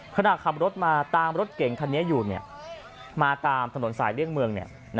ขณะขับรถมาตามรถเก่งคันนี้อยู่มาตามถนนสายเลี่ยงเมือง